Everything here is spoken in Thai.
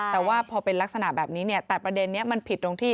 แต่ว่าพอเป็นลักษณะแบบนี้เนี่ยแต่ประเด็นนี้มันผิดตรงที่